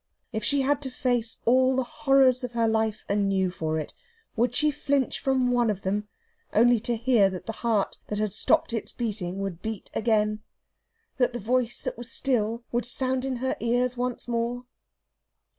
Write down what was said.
If she had to face all the horrors of her life anew for it, would she flinch from one of them, only to hear that the heart that had stopped its beating would beat again, that the voice that was still would sound in her ears once more?